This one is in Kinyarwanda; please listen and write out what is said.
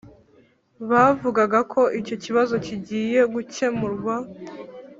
bavugaga ko icyo kibazo kigiye gukemurwa.